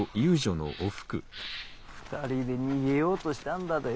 ２人で逃げようとしたんだどよ。